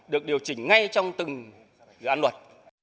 được điều chỉnh ngay trong từng dự án luật